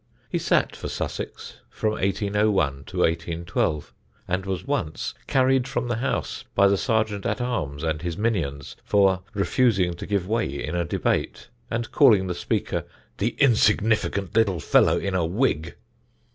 He sat for Sussex from 1801 to 1812, and was once carried from the House by the Sergeant at Arms and his minions, for refusing to give way in a debate and calling the Speaker "the insignificant little fellow in a wig."